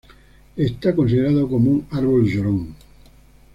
Está considerado como un árbol llorón.